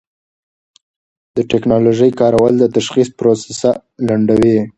د ټېکنالوژۍ کارول د تشخیص پروسه لنډوي.